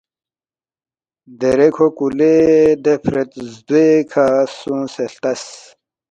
دیرے کھو کُلے دے فرید زدوے کھہ سونگسے ہلتس